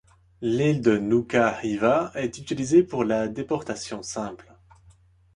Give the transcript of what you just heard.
L'île de Nuka-Hiva est utilisée pour la déportation simple.